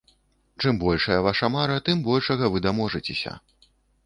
Чым большая ваша мара, тым большага вы даможацеся.